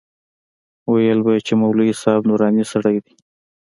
ويل به يې چې مولوي صاحب نوراني سړى دى.